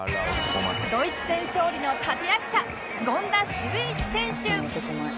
ドイツ戦勝利の立役者権田修一選手